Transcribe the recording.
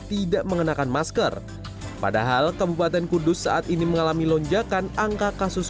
tidak mengenakan masker padahal kabupaten kudus saat ini mengalami lonjakan angka kasus